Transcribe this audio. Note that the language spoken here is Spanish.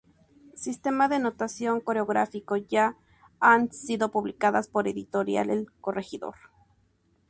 Sistema de notación coreográfico" ya han sido publicadas por Editorial el Corregidor.